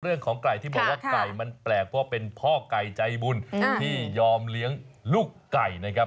เรื่องของไก่ที่บอกว่าไก่มันแปลกเพราะเป็นพ่อไก่ใจบุญที่ยอมเลี้ยงลูกไก่นะครับ